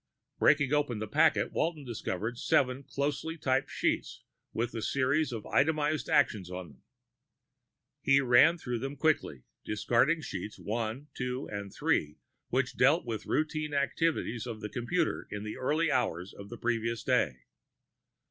Breaking open the packet, Walton discovered seven closely typed sheets with a series of itemized actions on them. He ran through them quickly, discarding sheets one, two, and three, which dealt with routine activities of the computer in the early hours of the previous day.